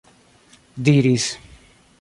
diris